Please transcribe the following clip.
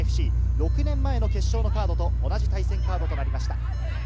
６年前の決勝のカードと同じ対戦カードとなりました。